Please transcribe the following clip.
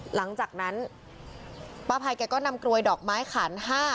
หลังจากนั้นป้าภัยแกก็นำกรวยดอกไม้ขาน๕